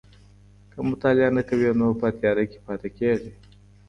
که مطالعه نه کوې نو په تياره کي پاته کېږې.